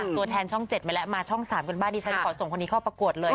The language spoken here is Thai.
ตัวแทนช่อง๗มาแล้วมาช่อง๓กันบ้างดิฉันขอส่งคนนี้เข้าประกวดเลย